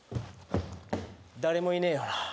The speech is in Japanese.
誰もいねえよな